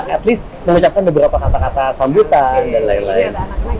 at least mengucapkan beberapa kata kata sambutan dan lain lain